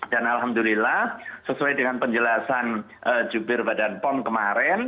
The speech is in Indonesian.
dan alhamdulillah sesuai dengan penjelasan jubir badan pom kemarin